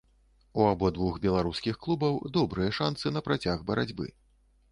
У абодвух беларускіх клубаў добрыя шанцы на працяг барацьбы.